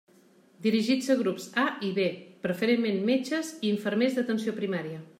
Dirigit a grups A i B; preferentment metges i infermers d'atenció primària.